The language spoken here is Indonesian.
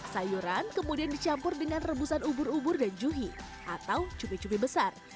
sayuran kemudian dicampur dengan rebusan ubur ubur dan juhi atau cube cumi besar